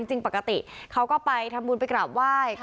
จริงปกติเขาก็ไปทำบุญไปกราบไหว้